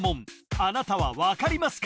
あなたは分かりますか？